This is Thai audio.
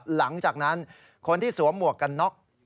หลังจากนั้นคนที่สวมหมวกกันน็อก